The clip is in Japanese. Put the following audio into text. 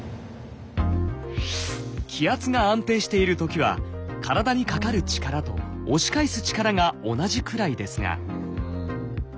気圧が安定している時は体にかかる力と押し返す力が同じくらいですが。